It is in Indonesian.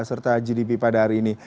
serta gdp pada hari ini